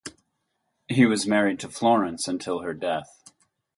He was married to Florence until her death.